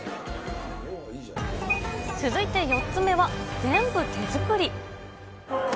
続いて４つ目は、全部手作り。